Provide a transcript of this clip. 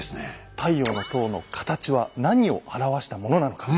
「太陽の塔」のカタチは何を表したものなのか。